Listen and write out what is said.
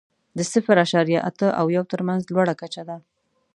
د صفر اعشاریه اته او یو تر مینځ لوړه کچه ده.